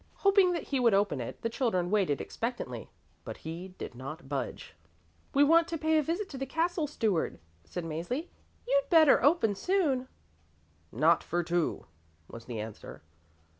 Hoping that he would open it, the children waited expectantly, but he did not budge. "We want to pay a visit to the Castle Steward," said Mäzli. "You'd better open soon." "Not for two," was the answer.